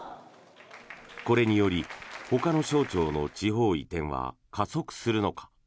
これによりほかの省庁の地方移転は加速するのか。